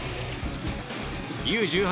Ｕ１８